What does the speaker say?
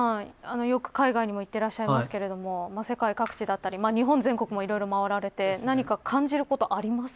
よく海外にも行っていますが世界各地だったり日本全国も回られて何か感じることありますか。